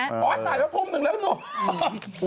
อ่าสายตทุ่ม๑แล้วหนู